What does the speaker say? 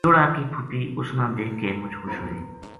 لُڑا کی پھُپی اس نا دیکھ کے مُچ خوش ہوئی